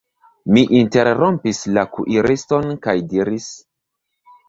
Mi interrompis la kuiriston kaj diris: